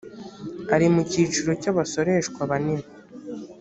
ari mu cyiciro cy abasoreshwa banini